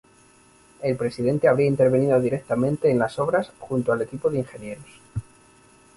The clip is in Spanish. El presidente habría intervenido directamente en las obras, junto al equipo de ingenieros.